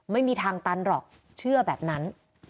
ไม่มีทางตันหรอกเชื่อแบบนั้น